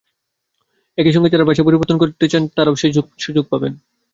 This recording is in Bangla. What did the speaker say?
একই সঙ্গে যাঁরা পেশা পরিবর্তন করতে চান, তাঁরাও সেই সুযোগ পাবেন।